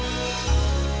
kau mau bertanya